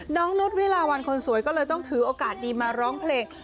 นุษย์วิลาวันคนสวยก็เลยต้องถือโอกาสดีมาร้องเพลง